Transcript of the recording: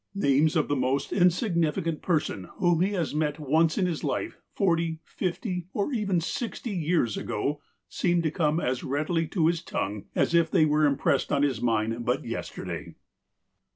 Names of the most insignificant persons whom he has met ouoe in his life, forty, fifty, or even sixty, years ago, seem to come as readily to his tongue as if they were impressed on his mind but yesterday.